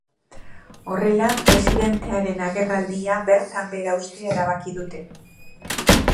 Horrela, presidentearen agerraldia bertan behera uztea erabaki dute.